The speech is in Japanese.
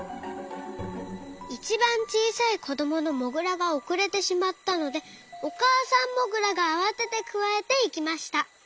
いちばんちいさいこどものモグラがおくれてしまったのでおかあさんモグラがあわててくわえていきました。